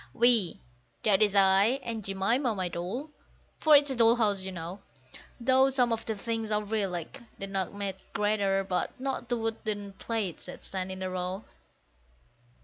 We that is I and Jemima, my doll. (For it's a Doll's House, you know, Though some of the things are real, like the nutmeg grater, but not the wooden plates that stand in a row.